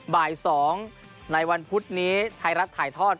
บ่าย๒ในวันพุธนี้ไทยรัฐถ่ายทอด